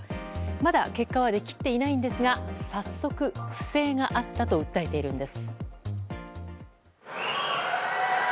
まだ結果は出きっていないんですが早速不正があったと訴えているんです。